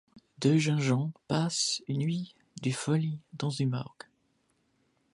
Deux jeunes gens passent une nuit de folie dans une morgue...